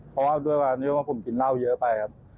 เพราะว่าด้วยความที่ว่าผมกินเหล้าเยอะไปครับ